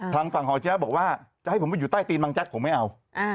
ทางฝั่งของอาเจียะบอกว่าจะให้ผมไปอยู่ใต้ตีนบางแจ๊กผมไม่เอา